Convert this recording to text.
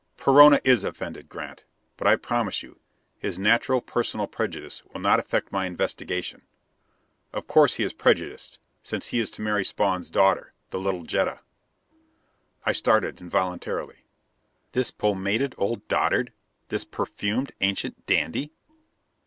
"Perona is offended, Grant. But I promise you, his natural personal prejudice will not affect my investigation. Of course he is prejudiced, since he is to marry Spawn's daughter, the little Jetta." I started involuntarily. This pomaded old dotard! This perfumed, ancient dandy!